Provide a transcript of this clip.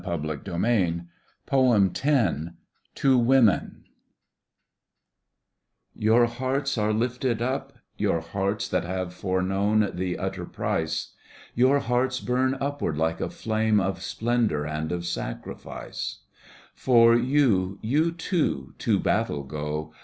Digitized by Google 26 TO WOMEN Your hearts are lifted up, your hearts That have foreknown the utter price. Your hearts bum upward like a flame Of splendour and of sacrifice. For you, you too, to battle go.